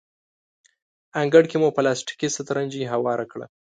انګړ کې مو پلاستیکي سترنجۍ هواره کړه.